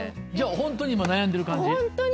ホントに今悩んでる感じ？